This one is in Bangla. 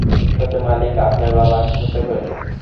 ছোট মালিক, আপনার বাবা আত্মহত্যা করেছেন।